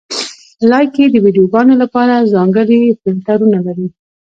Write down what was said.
لایکي د ویډیوګانو لپاره ځانګړي فېلټرونه لري.